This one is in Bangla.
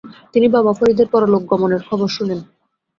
তিনি বাবা ফরিদের পরলোক গমনের খবর শুনেন।